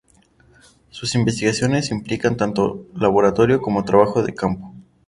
Sus investigaciones implican tanto laboratorio como trabajo de campo.